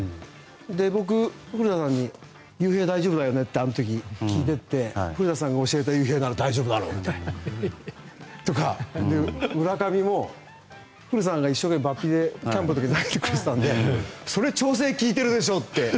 僕、古田さんに悠平大丈夫だよねってあの時、聞いていて古田さんが教えていたのでとか村上も、古田さんがキャンプで投げてくれていたのでそれ、調整きいているでしょって。